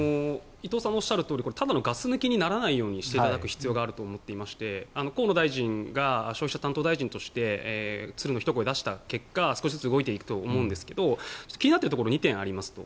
伊藤さんがおっしゃるとおりこれ、ただのガス抜きにならないようにしていただく必要があると思っていまして、河野大臣が消費者担当大臣として鶴のひと声を出した結果少しずつ動いていくと思うんですが気になる点が２点ありますと。